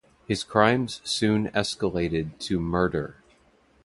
His crimes soon escalated to murder.